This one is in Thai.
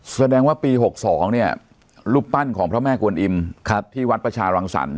แสดงว่าปี๖๒เนี่ยรูปปั้นของพระแม่กวนอิมที่วัดประชารังสรรค